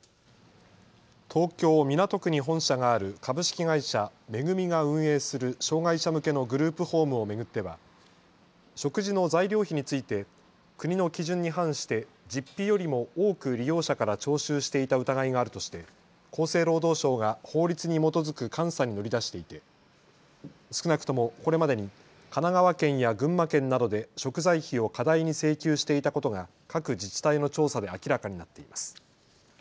東京港区に本社がある株式会社恵が運営する障害者向けのグループホームを巡っては食事の材料費について国の基準に反して実費よりも多く利用者から徴収していた疑いがあるとして厚生労働省が法律に基づく監査に乗り出していて少なくともこれまでに神奈川県や群馬県などで食材費を過大に請求していたことが各自治体の調査で明らかになっています。